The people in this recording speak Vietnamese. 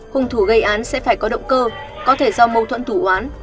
hùng thủ gây án sẽ phải có động cơ có thể do mâu thuẫn thủ hoán